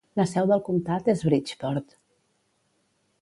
La seu del comtat és Bridgeport.